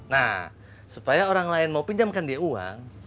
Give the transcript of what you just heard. nah supaya orang lain mau pinjamkan dia uang